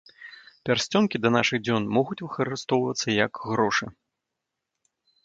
Пярсцёнкі да нашых дзён могуць выкарыстоўвацца як грошы.